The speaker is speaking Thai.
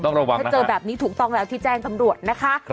ถ้าเจอแบบนี้ถูกต้องแล้วที่แจ้งตำรวจนะคะ